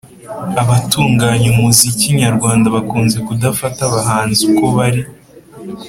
Abatunganya umuziki nyarwanda bakunze kudafata abahanzi uko bari